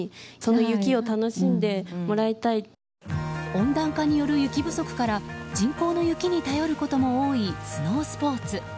温暖化による雪不足から人工の雪に頼ることも多いスノースポーツ。